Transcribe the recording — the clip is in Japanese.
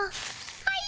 はい？